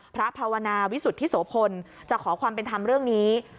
ภาวนาวิสุทธิโสพลจะขอความเป็นธรรมเรื่องนี้